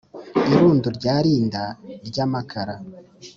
i rundu rya rinda rya makara,